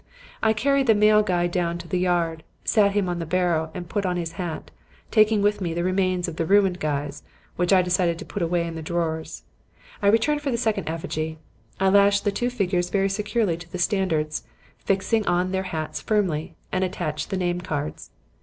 "I carried the male guy down to the yard, sat him on the barrow and put on his hat; and taking with me the remains of the ruined guys, which I decided to put away in the drawers, I returned for the second effigy. I lashed the two figures very securely to the standards, fixed on their hats firmly, and attached their name cards.